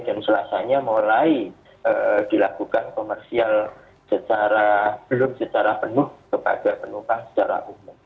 dan selesainya mulai dilakukan komersial belum secara penuh kepada penumpang secara umum